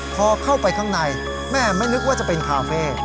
พอเข้าไปข้างในแม่ไม่นึกว่าจะเป็นคาเฟ่